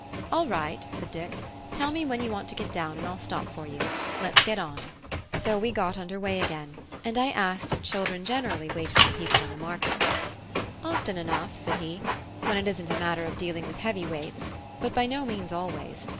"All right," said Dick, "tell me when you want to get down and I'll stop for you. Let's get on." So we got under way again; and I asked if children generally waited on people in the markets. "Often enough," said he, "when it isn't a matter of dealing with heavy weights, but by no means always.